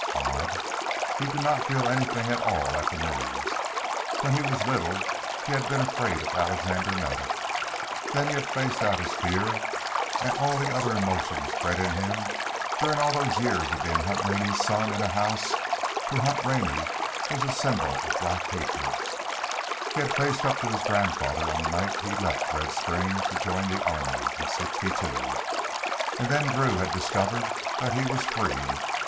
Odd, he did not feel anything at all at that news. When he was little he had been afraid of Alexander Mattock. Then he had faced out his fear and all the other emotions bred in him during those years of being Hunt Rennie's son in a house where Hunt Rennie was a symbol of black hatred; he had faced up to his grandfather on the night he left Red Springs to join the army in '62. And then Drew had discovered that he was free.